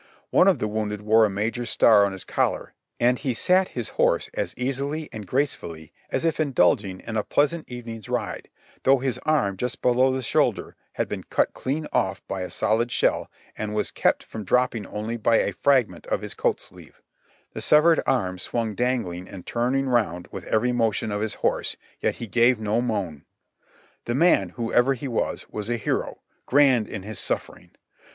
One of the wounded wore a major's star on his collar, and he sat his horse as easily and gracefully as if indulging in a pleasant even ing's ride, though his arm just below the shoulder had been cut clean ofT by a solid shell and was kept from dropping only by a fragment of his coat sleeve; the severed arm swung dangling and turning round with every motion of his horse, yet he gave no moan. The man, whoever he was, was a hero — grand in his suf fering.